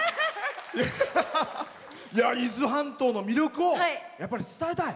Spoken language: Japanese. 伊豆半島の魅力をやっぱり伝えたい。